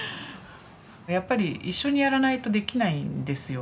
やっぱり一緒にやらないとできないんですよ。